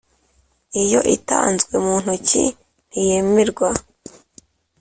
Iyo itanzwe mu ntoki ntiyemerwa